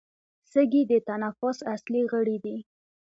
سږي د تنفس اصلي غړي دي